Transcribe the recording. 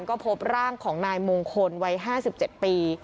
ก็พบร่างของนายมงคลวัย๕๗ปี